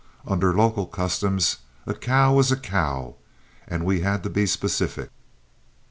Under local customs, "a cow was a cow," and we had to be specific.